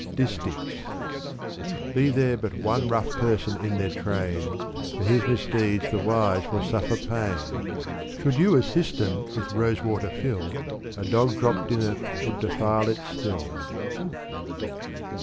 Disticks. Be there but one rough person in their train, For his misdeeds the wise will suflier pain. Should you a cistern with rose water fill, A dog dropped in it would defile it still.